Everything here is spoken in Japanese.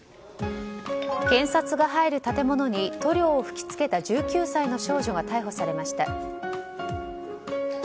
検察が入る建物に塗料を吹き付けた１９歳の少女が逮捕されました。